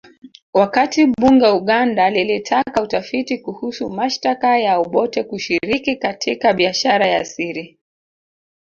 Wakati bunge Uganda lilitaka utafiti kuhusu mashtaka ya Obote kushiriki katika biashara ya siri